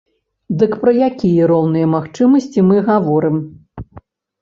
Дык пра якія роўныя магчымасці мы гаворым?